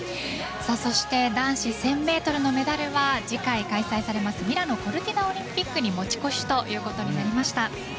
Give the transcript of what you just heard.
そして男子１０００ｍのメダルは次回開催されますミラノ・コルティナオリンピックに持ち越しということになりました。